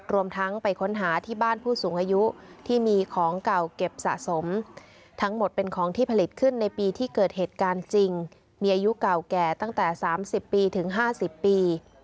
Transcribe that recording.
รวมทั้งไปค้นหาที่บ้านผู้สูงอายุที่มีของเก่าเก็บสะสมทั้งหมดเป็นของที่ผลิตขึ้นในปีที่เกิดเหตุการณ์จริงมีอายุเก่าแก่ตั้งแต่๓๐ปีถึง๕๐ปี